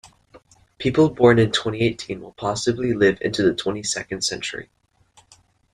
People born in twenty-eighteen will possibly live into the twenty-second century.